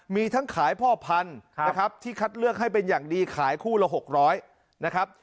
มีทั้งขายพ่อพันธุ์นะครับที่คัดเลือกให้เป็นอย่างดีขายคู่ละ๖๐๐นะครับ